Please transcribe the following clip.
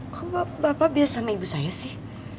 kok bapak biasa sama ibu saya sih